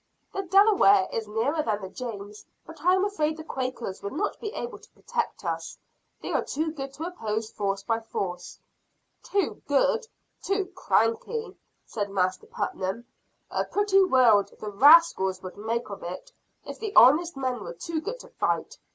The Delaware is nearer than the James, but I am afraid the Quakers would not be able to protect us, as they are too good to oppose force by force." "Too good! too cranky!" said Master Putnam. "A pretty world the rascals would make of it, if the honest men were too good to fight.